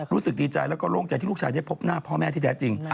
รู้สึกดีใจแล้วก็โล่งใจที่ลูกชายได้พบหน้าพ่อแม่ที่แท้จริง